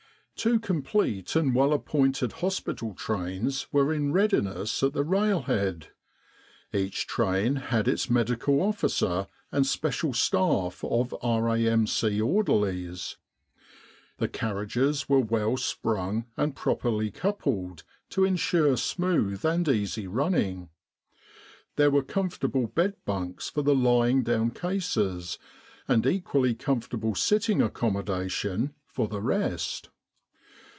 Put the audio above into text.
Two complete and well appointed hospital trains were in readiness at the railhead. Each train had its Medical Officer and special staff of R.A.M.C. order lies. The carriages were well sprung and properly coupled, to ensure smooth and easy running. There J 133 With the R.A.M.C. in Egypt were comfortable bed bunks for the lying down cases, and equally comfortable sitting accommodation for the rest.